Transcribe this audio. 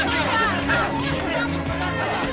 jangan bercanda pak